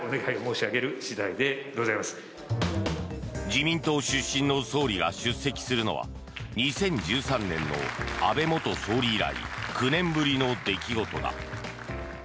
自民党出身の総理が出席するのは２０１３年の安倍元総理以来９年ぶりの出来事だ。